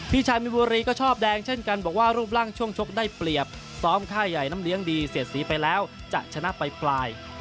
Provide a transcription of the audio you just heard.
พี่ชายมินบุรีก็ชอบแดงเช่นกันบอกว่ารูปร่างช่วงชกได้เปรียบซ้อมค่ายใหญ่น้ำเลี้ยงดีเสียดสีไปแล้วจะชนะไปปลาย